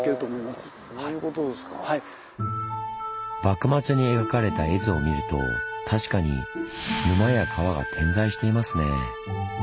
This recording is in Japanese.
幕末に描かれた絵図を見ると確かに沼や川が点在していますね。